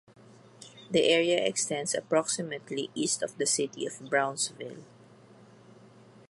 The area extends approximately east of the city of Brownsville.